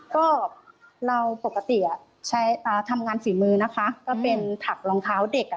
ก็เราปกติใช้ทำงานฝีมือนะคะก็เป็นถักรองเท้าเด็กอ่ะ